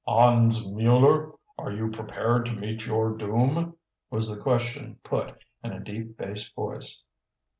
"Hans Mueller, are you prepared to meet your doom"? was the question put, in a deep bass voice.